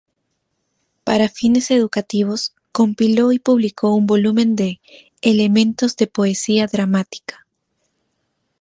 Para fines educativos, compiló y publicó un volumen de "Elementos de poesía dramática".